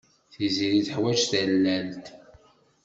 Tiziri teḥwaj tallalt.